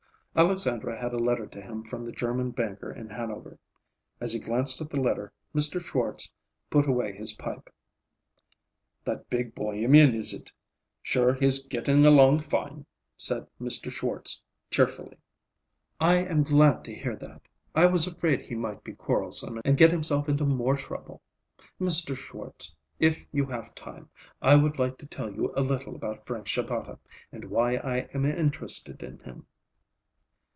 Alexandra had a letter to him from the German banker in Hanover. As he glanced at the letter, Mr. Schwartz put away his pipe. "That big Bohemian, is it? Sure, he's gettin' along fine," said Mr. Schwartz cheerfully. "I am glad to hear that. I was afraid he might be quarrelsome and get himself into more trouble. Mr. Schwartz, if you have time, I would like to tell you a little about Frank Shabata, and why I am interested in him."